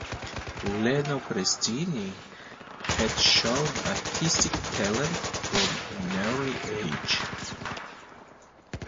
Leno Prestini had shown artistic talent from an early age.